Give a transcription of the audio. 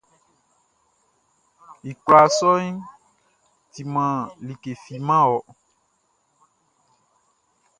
I kwlaa sɔʼn timan like fi man wɔ.